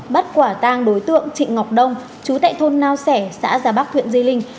bắt quả tang đối tượng trị ngọc đông chú tại thôn nao sẻ xã già bắc huyện di linh